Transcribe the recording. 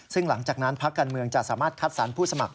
ซึ่งหลังจากนั้นพักการเมืองจะสามารถคัดสรรผู้สมัคร